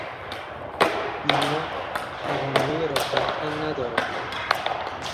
بیمار توانایی راه رفتن ندارد.